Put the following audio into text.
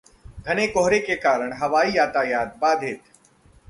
घने कोहरे के कारण हवाई यातायात बाधित